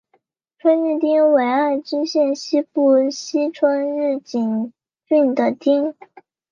春日町为爱知县西部西春日井郡的町。